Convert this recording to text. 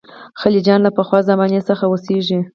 خلجیان له پخوا زمانې څخه اوسېږي.